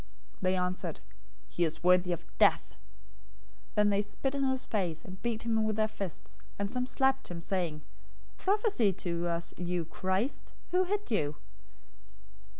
They answered, "He is worthy of death!" 026:067 Then they spit in his face and beat him with their fists, and some slapped him, 026:068 saying, "Prophesy to us, you Christ! Who hit you?"